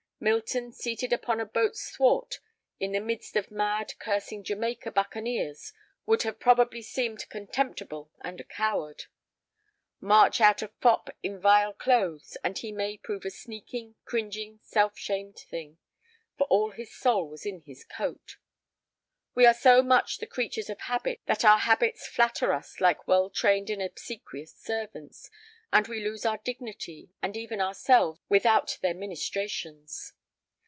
Milton seated upon a boat's thwart in the midst of mad, cursing Jamaica buccaneers would have probably seemed contemptible and a coward. March out a fop in vile clothes, and he may prove a sneaking, cringing, self shamed thing, for all his soul was in his coat. We are so much the creatures of habit that our habits flatter us like well trained and obsequious servants, and we lose our dignity and even ourselves without their ministrations.